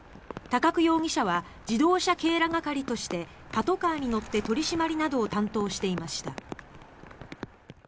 高久容疑者は自動車警ら係としてパトカーに乗って取り締まりなどを担当していました。